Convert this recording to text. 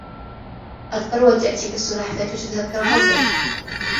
الثروة تأتي كالسلحفاة وتذهب كالغزال